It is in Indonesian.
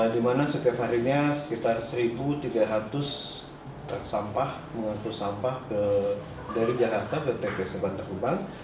dimana setiap harinya sekitar seribu tiga ratus truk sampah mengumpul sampah dari jakarta ke tpst bantar gebang